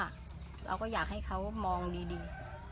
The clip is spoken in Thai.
เราก็อยากให้เขามองดี